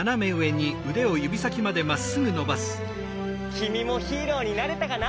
きみもヒーローになれたかな？